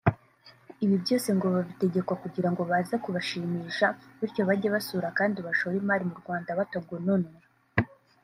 Ibi byose ngo babitegekwa kugira ngo baze kubashimisha bityo bajye basura kandi bashore imari mu Rwanda batagononwa